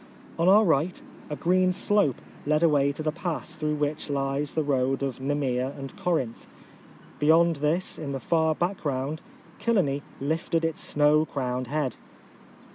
On our right, a green slope led away to the pass through which lies the road to Nemea and Corinth. Beyond this in the far background Kyllene lifted its snow crowned head.